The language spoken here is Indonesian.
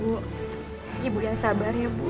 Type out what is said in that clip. ibu ibu yang sabar ya bu